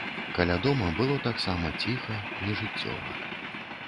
Каля дома было таксама ціха, нежыццёва.